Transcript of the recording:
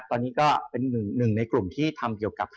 ตอนนี้ก็เป็นหนึ่งในกลุ่มที่ทำเกี่ยวกับ